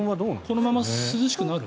このまま涼しくなる？